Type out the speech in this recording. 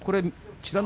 美ノ